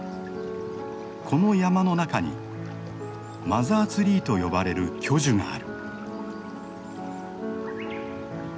この山の中にマザーツリーと呼ばれる巨樹がある。